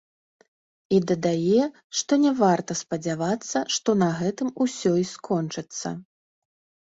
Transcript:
І дадае, што не варта спадзявацца, што на гэтым усё й скончыцца.